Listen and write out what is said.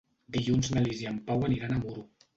Dilluns na Lis i en Pau aniran a Muro.